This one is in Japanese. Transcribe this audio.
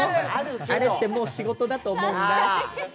あれってもう仕事だと思うんだ。